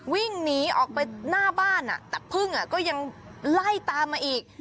วิ่งหนีออกไปหน้าบ้านแต่พึ่งก็ยังไล่ตามมาอีก